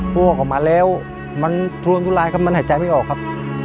หัวเขามาแล้วมันทุรนทุรายครับมันหายใจไม่ออกครับ